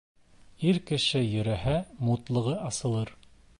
Ир кеше йөрөһә, мутлығы асылыр